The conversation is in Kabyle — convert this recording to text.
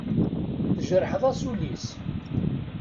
Tjerḥeḍ-as ul-is.